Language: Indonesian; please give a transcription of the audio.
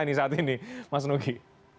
ini saat ini mas nugi